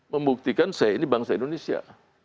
membuktikan saya ini bangsa indonesia